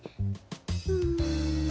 うん。